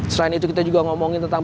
selain itu kita juga ngomongin tentang